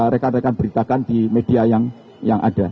rekan rekan beritakan di media yang ada